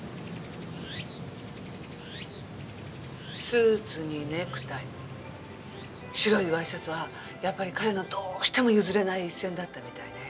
スーツにネクタイ白いワイシャツはやっぱり彼のどうしても譲れない一線だったみたいね。